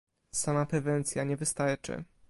sama prewencja nie wystarczy